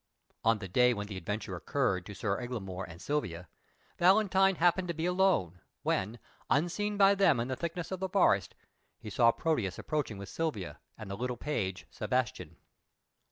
On the day when the adventure occurred to Sir Eglamour and Silvia, Valentine happened to be alone, when, unseen by them in the thickness of the forest, he saw Proteus approaching with Silvia and the little page Sebastian.